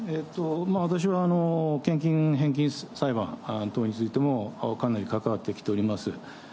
私は、献金返金裁判等についても、かなり関わってきております。